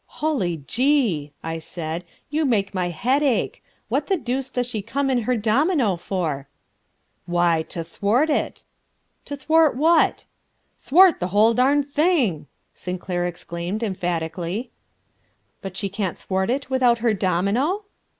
"Hully Gee!" I said, "you make my head ache. What the deuce does she come in her domino for?" "Why, to thwart it." "To thwart what?" "Thwart the whole darned thing," Sinclair exclaimed emphatically. "But can't she thwart it without her domino?"